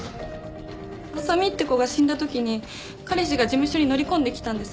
あさみって子が死んだ時に彼氏が事務所に乗り込んできたんです。